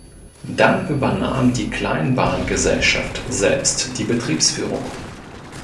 Dann übernahm die Kleinbahn-Gesellschaft selbst die Betriebsführung.